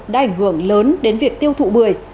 đã ảnh hưởng lớn đến việc tiêu thụ bưởi